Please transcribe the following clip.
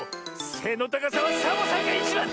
せのたかさはサボさんがいちばんだ！